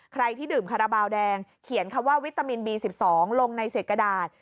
ใครที่ดื่มคาราบาลแดงเขียนคำว่าวิตามินบี๑๒ลงในเศษกระดาษ